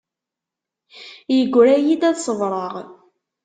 Yegra-yi-d ad ṣebṛeɣ.